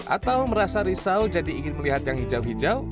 atau merasa risau jadi ingin melihat yang hijau hijau